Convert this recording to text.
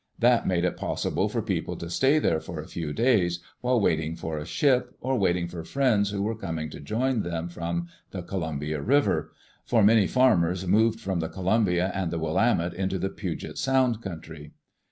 That made it possible for people to stay there for a few days, while waiting for a ship, or waiting for friends who were coming to join them from the Columbia River, for many farmers moved from the Columbia and the Willamette into the Puget Sound country.